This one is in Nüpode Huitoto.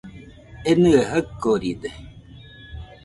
Enɨe jaɨkoride